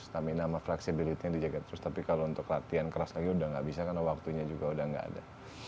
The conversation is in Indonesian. stamina sama fleksibilitasnya dijaga terus tapi kalau untuk latihan keras lagi udah nggak bisa karena waktunya juga udah nggak ada